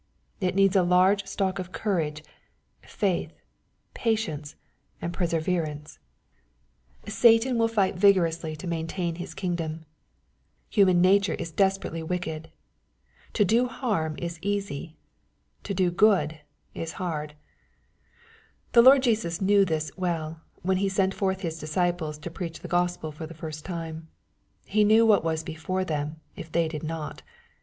It needs a largo Btock of courage, faith, patience, and perseveranca 102 EXPOSITORY THOUGHTS. Satan will fight vigorously to maintain his Idngdont Human nature is desperately wicked. To do harm is easy. To do good is hard. The Lord Jesus knew this well, when He sent forth His disciples to preach the Gospel for the first time. He knew what was before them, if they did not.